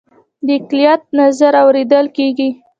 د اقلیت نظر اوریدل کیږي؟